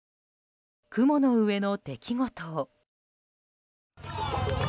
雲の上の出来事を。